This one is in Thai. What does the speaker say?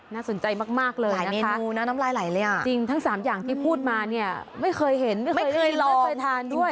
น่าสนใจมากเลยนะฮะจริงทั้ง๓อย่างที่พูดมาเนี่ยไม่เคยเห็นไม่เคยทานด้วย